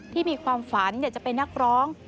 ที่มีความฝันจะเป็นนักร้อง